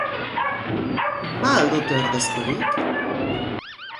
Ba al dute ordezkorik?